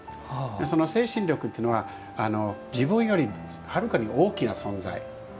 その精神力というのは自分よりはるかに大きな存在。